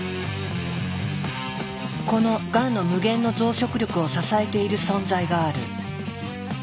このがんの無限の増殖力を支えている存在がある。